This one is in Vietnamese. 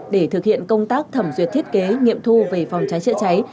để thực hiện công tác thẩm duyệt thiết kế nghiệm thu về phòng cháy chữa cháy